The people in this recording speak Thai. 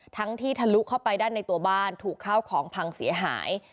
ทั้งที่ทะลุเข้าไปด้านในตัวบ้านถูกข้าวของพังเสียหาย